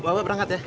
bapak berangkat ya